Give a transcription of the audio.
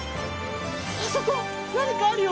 あそこなにかあるよ！